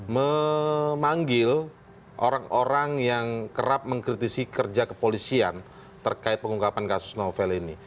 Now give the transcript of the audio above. memanggil orang orang yang kerap mengkritisi kerja kepolisian terkait pengungkapan kasus novel ini